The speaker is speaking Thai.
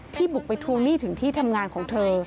บุกไปทวงหนี้ถึงที่ทำงานของเธอ